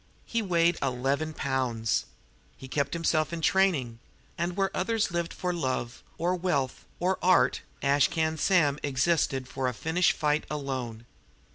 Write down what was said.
He weighed eleven pounds. He kept himself in training; and, where others lived for love or wealth or art, Ash Can Sam existed for a finish fight alone.